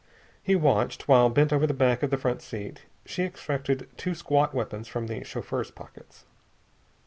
He watched, while, bent over the back of the front seat, she extracted two squat weapons from the chauffeur's pockets.